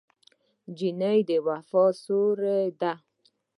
نجلۍ د وفا سیوری ده.